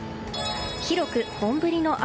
広く本降りの雨。